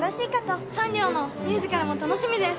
三寮のミュージカルも楽しみです！